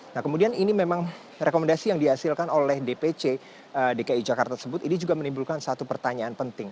nah kemudian ini memang rekomendasi yang dihasilkan oleh dpc dki jakarta tersebut ini juga menimbulkan satu pertanyaan penting